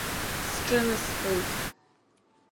Сҿынасхеит.